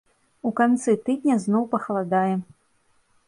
У канцы тыдня зноў пахаладае.